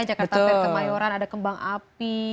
jakarta fair kemayoran ada kembang api